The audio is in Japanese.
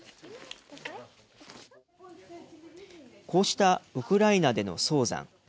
こうしたウクライナでの早産。